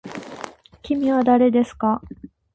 きみはだれですか。